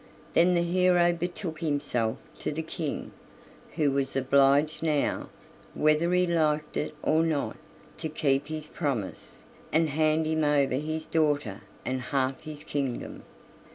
Then the hero betook himself to the King, who was obliged now, whether he liked it or not, to keep his promise, and hand him over his daughter and half his kingdom.